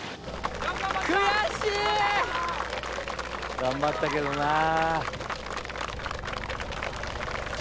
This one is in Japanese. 悔しい！頑張ったけどなぁ。